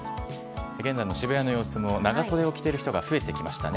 現在の渋谷の様子も、長袖を着ている人が増えてきましたね。